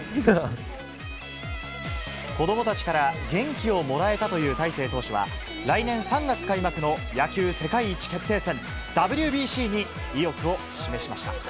子どもたちから元気をもらえたという大勢投手は、来年３月開幕の野球世界一決定戦、ＷＢＣに意欲を示しました。